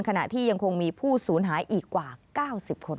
ขณะที่ยังคงมีผู้ศูนย์หายอีกกว่า๙๐คน